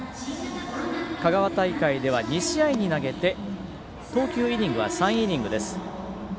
香川大会では２試合に投げて投球イニングは３イニングです。